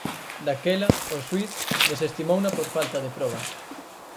Daquela o xuíz desestimouna por falta de probas.